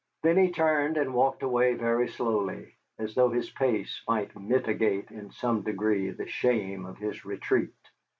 Then he turned and walked away very slowly, as though his pace might mitigate in some degree the shame of his retreat.